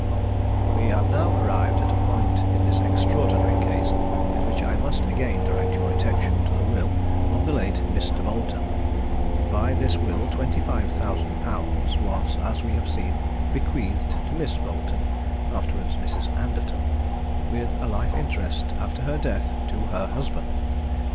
_ We have now arrived at a point in this extraordinary case at which I must again direct your attention to the will of the late Mr. Boleton. By this will 25,000_l_. was, as we have seen, bequeathed to Miss Boleton (afterwards Mrs. Anderton), with a life interest, after her death, to her husband.